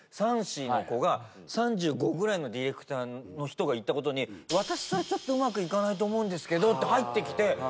２３２４の子が３５ぐらいのディレクターの人が言ったことに私ちょっとうまくいかないと思うんですけどって入ってきて。